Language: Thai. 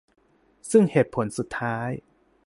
ซึ่งเหตุผลสุดท้าย